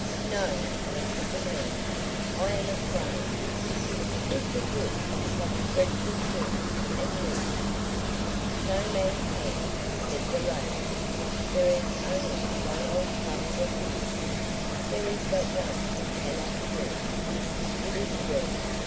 "No," answered the man, "I am afraid. Who could look at such dreadful things and live?" "No man can," said the Raven; "there is only one old Thunder fears; there is but one he cannot kill. It is we.